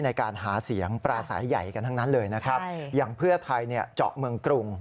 ในการหาเสียงปลาสายใหญ่กันทั้งนั้นเลยนะครับอย่างเพื่อไทยเนี่ยเจาะเมืองกรุง